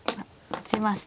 打ちました。